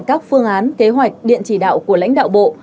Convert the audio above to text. các phương án kế hoạch điện chỉ đạo của lãnh đạo bộ